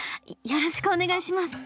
よろしくお願いします。